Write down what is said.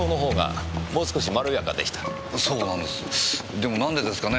でも何でですかね？